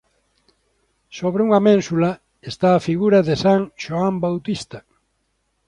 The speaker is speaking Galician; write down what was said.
Sobre unha ménsula está a figura de San Xoán Bautista.